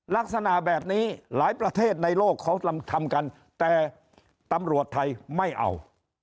ลักษณะแบบนี้หลายประเทศในโลกเขาทำกันแต่ตำรวจไทยไม่เอา